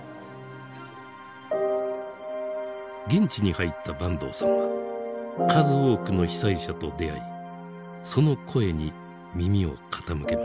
現地に入った坂東さんは数多くの被災者と出会いその声に耳を傾けました。